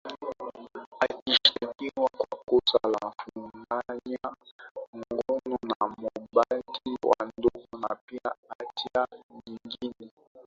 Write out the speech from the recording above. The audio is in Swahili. akishtakiwa kwa kosa la kufanyia ngono na mabinti wadogo na pia hatia nyingine